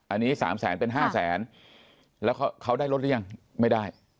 อันนี้๓แสนเป็น๕แสนแล้วเขาได้รถหรือยังไม่ได้